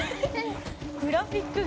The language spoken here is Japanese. グラフィックが。